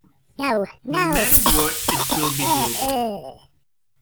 No matter what, it will be global.